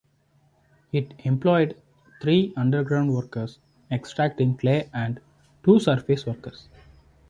It employed three underground workers extracting clay and two surface workers.